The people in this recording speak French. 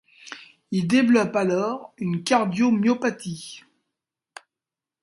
Il développe alors une cardiomyopathie.